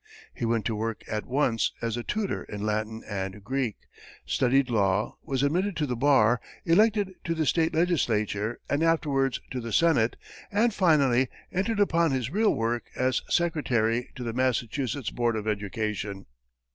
He went to work at once as a tutor in Latin and Greek, studied law, was admitted to the bar, elected to the state legislature and afterwards to the senate, and finally entered upon his real work as secretary to the Massachusetts board of education.